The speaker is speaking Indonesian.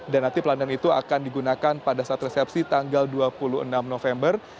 dan nanti pelaminan itu akan digunakan pada saat resepsi tanggal dua puluh enam november